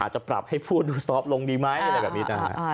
จะปรับให้ผู้ดูซอฟต์ลงดีไหมอะไรแบบนี้นะฮะ